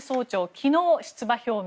昨日、出馬表明。